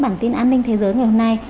bản tin an ninh thế giới ngày hôm nay